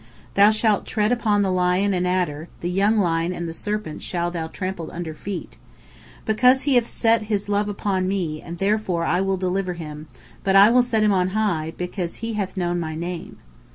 Thou shalt tread upon the lion and adder; the young lion and the serpent shalt thou trample under feet. Because he hath set his love upon me, therefore will I deliver him; I will set him on high, because he hath known my name."